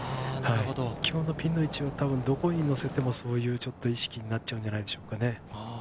今日のピンの位置はどこに寄せてもそういう意識になっちゃうんじゃないでしょうかね。